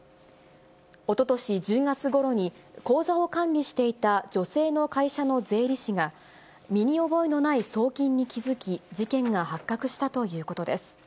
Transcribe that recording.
おととし１０月ごろに、口座を管理していた女性の会社の税理士が、身に覚えのない送金に気付き、事件が発覚したということです。